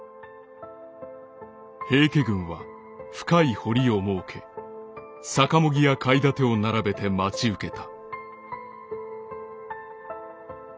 「平家軍は深い堀を設け逆茂木や垣楯を並べて待ち受けた」。